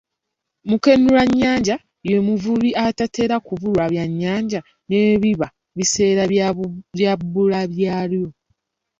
Mukenulannyanja ye muvubi atatera kubulwa byannyanja, ne bwe biba biseera bya bbula lyabo.